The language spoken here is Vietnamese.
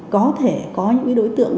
có thể có những đối tượng